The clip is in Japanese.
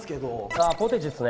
ああポテチですね